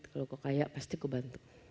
kalau gue kaya pasti gue bantu